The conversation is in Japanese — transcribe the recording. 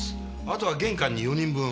後は玄関に４人分。